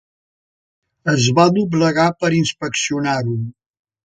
Es va doblegar per inspeccionar-ho.